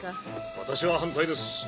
私は反対です。